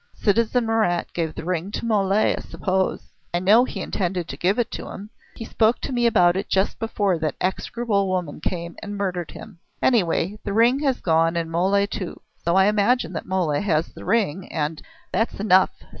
Citizen Marat gave the ring to Mole, I suppose. I know he intended to give it to him. He spoke to me about it just before that execrable woman came and murdered him. Anyway, the ring has gone and Mole too. So I imagine that Mole has the ring and " "That's enough!"